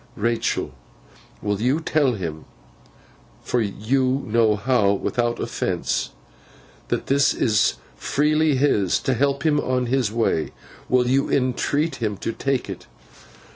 'Rachael, will you tell him—for you know how, without offence—that this is freely his, to help him on his way? Will you entreat him to take it?